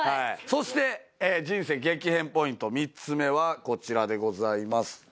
そして人生激変ポイント３つ目はこちらでございます